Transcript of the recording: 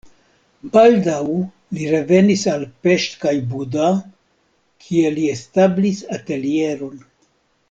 Baldaŭ li revenis al Pest kaj Buda, kie li establis atelieron.